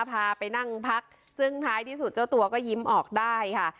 พาไปนั่งพักซึ่งท้ายที่สุดเจ้าตัวก็ยิ้มออกได้ค่ะ